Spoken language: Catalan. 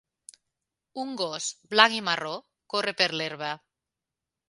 Un gos blanc i marró corre per l'herba.